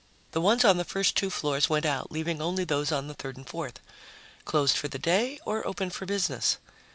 The ones on the first two floors went out, leaving only those on the third and fourth. Closed for the day ... or open for business?